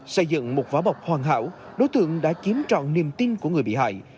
xây dựng một vỏ bọc hoàn hảo đối tượng đã chiếm trọn niềm tin của người bị hại